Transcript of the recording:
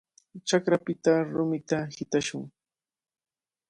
Chakrapita rumita hitashun.